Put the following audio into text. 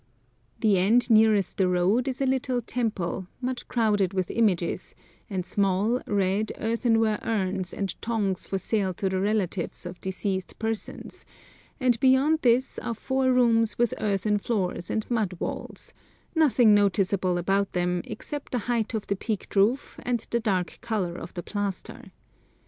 The end nearest the road is a little temple, much crowded with images, and small, red, earthenware urns and tongs for sale to the relatives of deceased persons, and beyond this are four rooms with earthen floors and mud walls; nothing noticeable about them except the height of the peaked roof and the dark colour of the plaster.